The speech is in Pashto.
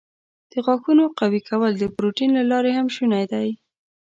د غاښونو قوي کول د پروټین له لارې هم شونی دی.